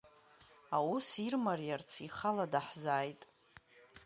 Аус ирмариарц, ихала даҳзааит.